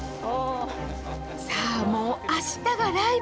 さあもう明日がライブ。